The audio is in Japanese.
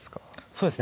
そうですね